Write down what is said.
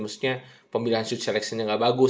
maksudnya pemilihan shoot selection nya gak bagus